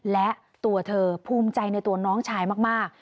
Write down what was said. และตัวเธอภูมิใจในตัวน้องชายมาก